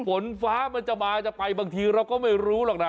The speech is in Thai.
ฝนฟ้ามันจะมาจะไปบางทีเราก็ไม่รู้หรอกนะ